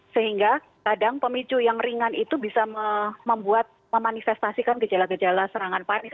sehingga kadang pemicu yang ringan itu bisa membuat memanifestasikan gejala gejala serangan panik